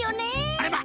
あれま！